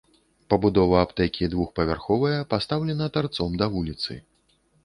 Пабудова аптэкі двухпавярховая, пастаўлена тарцом да вуліцы.